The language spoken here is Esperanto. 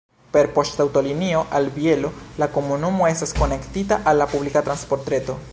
Per poŝtaŭtolinio al Bielo la komunumo estas konektita al la publika transportreto.